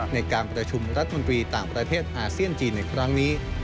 ในการประชุมรัฐมนตรีต่างประเทศอาเซียนจีนในครั้งนี้